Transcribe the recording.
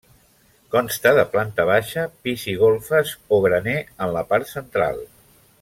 Consta de planta baixa, pis i golfes o graner en la part central.